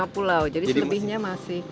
dua puluh lima pulau jadi selebihnya masih